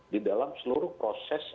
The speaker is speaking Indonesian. di dalam seluruh proses